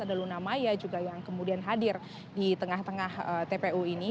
ada luna maya juga yang kemudian hadir di tengah tengah tpu ini